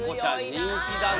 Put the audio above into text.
人気だね。